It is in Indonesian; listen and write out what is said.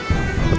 aku tunggu bentar